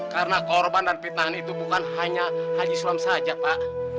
karena korban dan fitnahan itu bukan hanya haji sulam saja pak